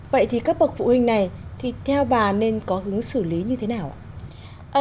vậy thì các bậc phụ huynh này thì theo bà nên có hướng xử lý như thế nào ạ